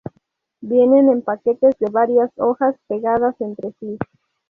Vienen en paquetes de varias hojas pegadas entre sí.